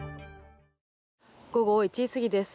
午後１時過ぎです。